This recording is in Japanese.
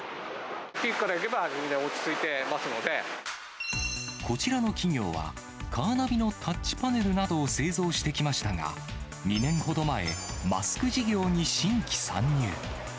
ピークからいえば、こちらの企業は、カーナビのタッチパネルなどを製造してきましたが、２年ほど前、マスク事業に新規参入。